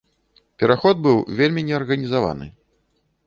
Пераход быў вельмі неарганізаваны.